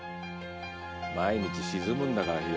萋沈むんだから。